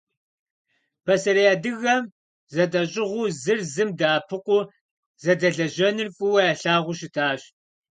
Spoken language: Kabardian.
Пасэрей адыгэм зэдэщӀыгъуу, зыр зым дэӀэпыкъуу зэдэлэжьэныр фӀыуэ ялъагъуу щытащ.